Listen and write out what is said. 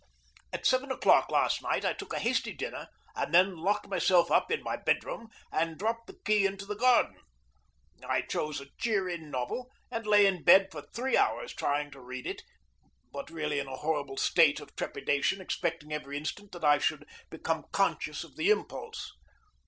At seven o'clock last night I took a hasty dinner, and then locked myself up in my bedroom and dropped the key into the garden. I chose a cheery novel, and lay in bed for three hours trying to read it, but really in a horrible state of trepidation, expecting every instant that I should become conscious of the impulse.